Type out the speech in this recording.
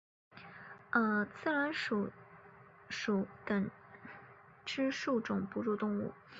刺巢鼠属等之数种哺乳动物。